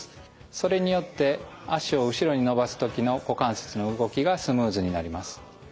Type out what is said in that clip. それによって脚を後ろに伸ばす時の股関節の動きがスムーズになります。